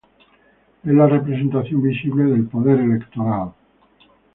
Es la representación visible del Poder Electoral.